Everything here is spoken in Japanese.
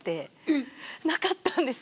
えっ？なかったんです。